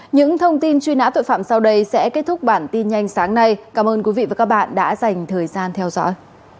những thông tin truy nã tội phạm sau đây sẽ kết thúc bản tin nhanh sáng nay cảm ơn quý vị và các bạn đã dành thời gian theo dõi